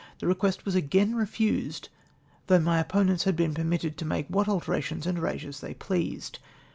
The request was again refused, though my opponents had been permitted to make what alterations and erasures they pleased.